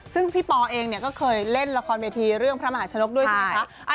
ซึ่งพี่ปอเองก็เคยเล่นละครเวทีเรื่องพระมหาชนกด้วยใช่ไหมคะ